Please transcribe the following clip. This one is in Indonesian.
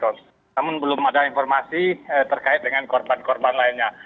namun belum ada informasi terkait dengan korban korban lainnya